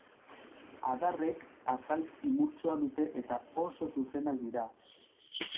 Adarrek azal zimurtsua dute eta oso zuzenak dira.